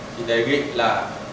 thì đề nghị là